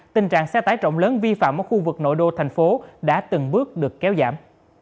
tình trạng xe tải trọng lớn vi phạm ở khu vực nội đô thành phố đã từng bước được kéo giảm